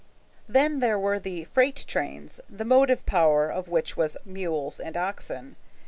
Then there were the freight trains, the motive power of which was mules and oxen.